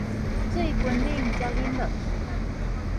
水歕冷才啉落去